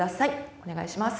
お願いします